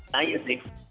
nah itu sih